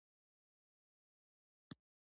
شین او سمسور دی.